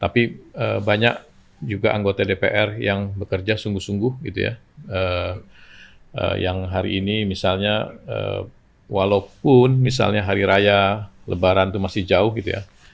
tapi banyak juga anggota dpr yang bekerja sungguh sungguh gitu ya yang hari ini misalnya walaupun misalnya hari raya lebaran itu masih jauh gitu ya